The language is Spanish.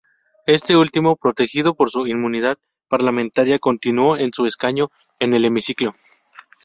Este último, protegido por su inmunidad parlamentaria, continuó con su escaño en el hemiciclo.